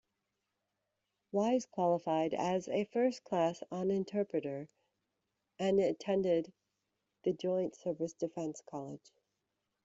Wise qualified as a First Class Onenterpreter, and attended the Joint Service Defence College.